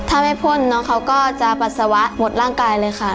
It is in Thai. ถ้าไม่พ่นน้องเขาก็จะปัสสาวะหมดร่างกายเลยค่ะ